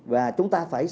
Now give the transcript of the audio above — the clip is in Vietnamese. và chúng ta phải